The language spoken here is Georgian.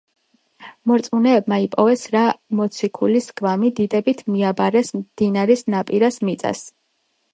მორწმუნეებმა იპოვეს რა მოციქულის გვამი, დიდებით მიაბარეს მდინარის ნაპირას მიწას.